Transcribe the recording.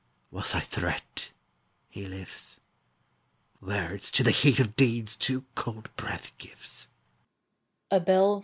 Whiles I threat, he lives: Words to the heat of deeds too cold breath gives.